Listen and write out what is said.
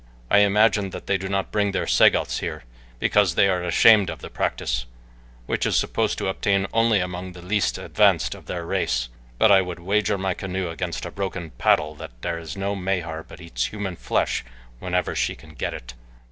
I imagine that they do not bring their Sagoths here, because they are ashamed of the practice, which is supposed to obtain only among the least advanced of their race; but I would wager my canoe against a broken paddle that there is no Mahar but eats human flesh whenever she can get it."